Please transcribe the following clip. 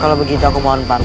kalau begitu aku mohon pan